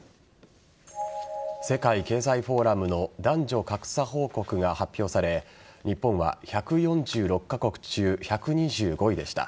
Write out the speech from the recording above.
世界経済フォーラムの男女格差報告が発表され日本は１４６カ国中１２５位でした。